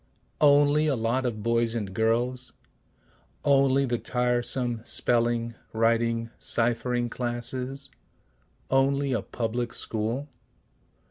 Only a lot of boys and girls? Only the tiresome spelling, writing, ciphering classes? Only a public school?